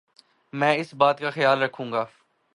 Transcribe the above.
میں اس بات کا خیال رکھوں گا ـ